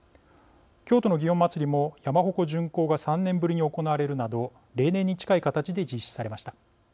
京都の祇園祭も山鉾巡行が３年ぶりに行われるなど例年に近い形で実施されました。